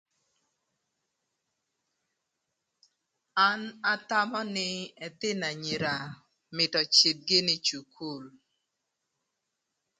An athamö nï ëthïnö anyira mïtö öcïdh gïnï ï cukul